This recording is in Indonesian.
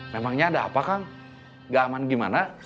memangnya ada apa kang gak aman gimana